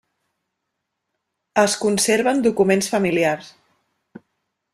Es conserven documents familiars.